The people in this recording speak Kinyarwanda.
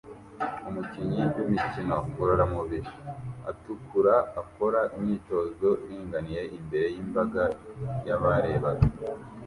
Umukinyi w'imikino ngororamubiri atukura akora imyitozo iringaniye imbere yimbaga yabarebaga